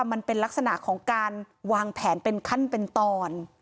มันเป็นลักษณะของการวางแผนเป็นขั้นเป็นตอน